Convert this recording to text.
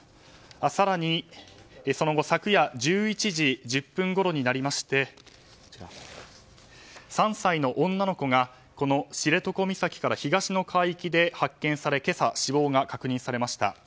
更に、その後昨夜１１時１０分ごろに３歳の女の子がこの知床岬から東の海域で発見され、今朝死亡が確認されました。